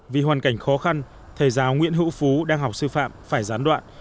vì hoàn cảnh khó khăn thầy giáo nguyễn hữu phú đang học sư phạm phải gián đoạn